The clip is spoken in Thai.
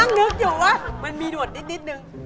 นั่งยังคิดอยู่ว่ามันมีดวนนิดหนึ่ง